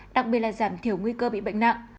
đặc biệt là giảm thiểu nguy cơ bị bệnh nặng